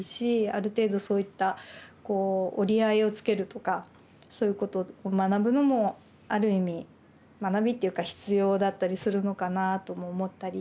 ある程度そういったこう折り合いをつけるとかそういうことを学ぶのもある意味学びっていうか必要だったりするのかなとも思ったり。